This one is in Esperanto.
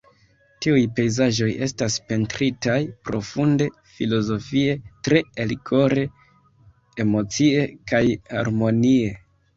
Tiuj pejzaĝoj estas pentritaj profunde filozofie, tre elkore, emocie kaj harmonie.